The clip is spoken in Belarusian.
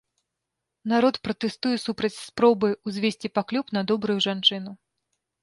Народ пратэстуе супраць спробы ўзвесці паклёп на добрую жанчыну.